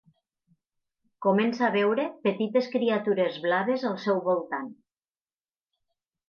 Comença a veure petites criatures blaves al seu voltant.